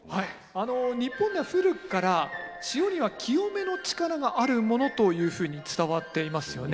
日本では古くから塩には清めの力があるものというふうに伝わっていますよね。